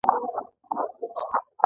یوه ازاده کمیټه قوانین ټاکي.